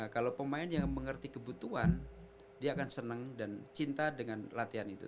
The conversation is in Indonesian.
kalau pemain yang mengerti kebutuhan dia akan senang dan cinta dengan latihan itu